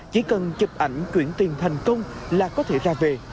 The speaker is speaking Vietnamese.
chỉ cần chụp ảnh chuyển tiền thành công là có thể ra về